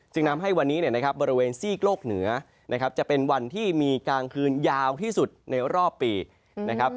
สิ่งนำให้วันนี้บริเวณซีกโลกเหนือจะเป็นวันที่มีกลางคืนยาวที่สุดในรอบปี